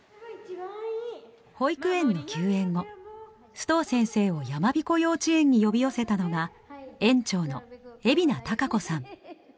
保育園の休園後須藤先生を山彦幼稚園に呼び寄せたのが園長の蝦名崇子さん。